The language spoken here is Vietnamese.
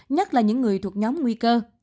nhất là những người thuộc nhóm nguy cơ